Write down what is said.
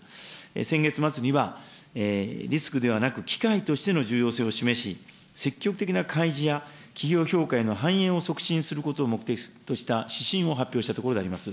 先月末にはリスクではなく機会としての重要性を示し、積極的な開示や企業評価への反映を促進することを目的とした指針を発表したところであります。